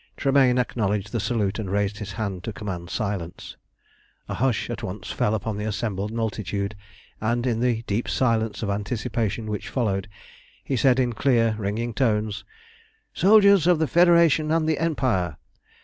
Tremayne acknowledged the salute, and raised his hand to command silence. A hush at once fell upon the assembled multitude, and in the deep silence of anticipation which followed, he said in clear, ringing tones "Soldiers of the Federation and the Empire!